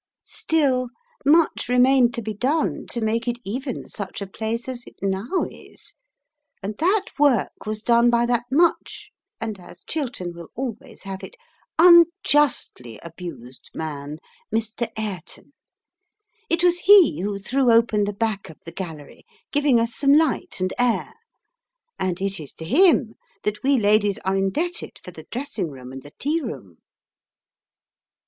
Still much remained to be done to make it even such a place as it now is, and that work was done by that much and, as Chiltern will always have it, unjustly abused man, Mr. Ayrton. It was he who threw open the back of the Gallery, giving us some light and air, and it is to him that we ladies are indebted for the dressing room and the tea room.